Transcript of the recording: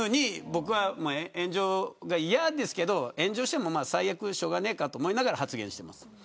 僕は炎上が嫌ですけど炎上してもしょうがねえかと思いながら発言してます。